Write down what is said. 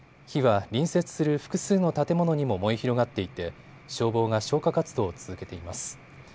火は隣接する複数の建物にも燃え広がっていて消防が消火活動を続けています。